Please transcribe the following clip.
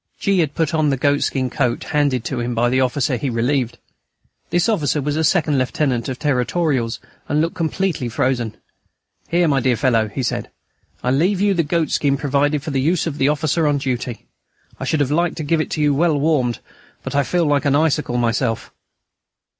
G. had put on the goatskin coat handed to him by the officer he relieved. This officer was a Second Lieutenant of Territorials, and looked completely frozen. "Here, my dear fellow," he said, "I leave you the goatskin provided for the use of the officer on duty. I should have liked to give it you well warmed, but I feel like an icicle myself."